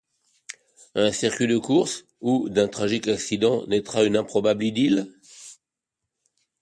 Un circuit de course où, d'un tragique accident, naîtra une improbable idylle?